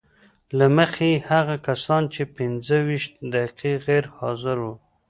له مخې یې هغه کسان چې پنځه ویشت دقیقې غیر حاضر وو